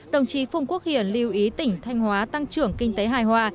đồng chí phùng quốc hiển lưu ý tỉnh thanh hóa tăng trưởng kinh tế hài hòa